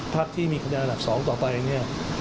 ภาพที่มีคณะอันดับ๒ต่อไป